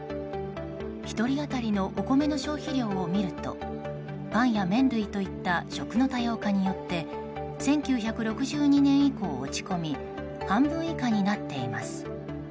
１人当たりのお米の消費量を見るとパンや麺類といった食の多様化によって１９６２年以降、落ち込み半分以下になっています。